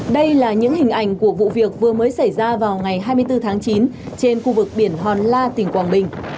đây là những hình ảnh của vụ việc vừa mới xảy ra vào ngày hai mươi bốn tháng chín trên khu vực biển hòn la tỉnh quảng bình